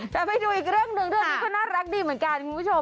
แต่ไปดูอีกเรื่องหนึ่งเรื่องนี้ก็น่ารักดีเหมือนกันคุณผู้ชม